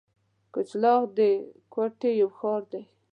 کچلاغ د کوټي یو ښار دی.